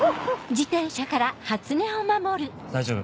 大丈夫？